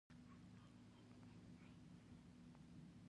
اهلي شوي حیوانات د غذا، خامو موادو او د کار ځواک په توګه کارېدل.